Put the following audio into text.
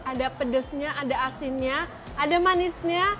ada pedesnya ada asinnya ada manisnya